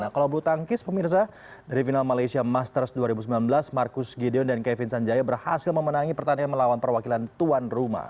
kalau bulu tangkis pemirsa dari final malaysia masters dua ribu sembilan belas marcus gideon dan kevin sanjaya berhasil memenangi pertandingan melawan perwakilan tuan rumah